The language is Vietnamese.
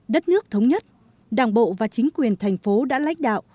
đất nước thống nhất đảng bộ và chính quyền thành phố đã lãnh đạo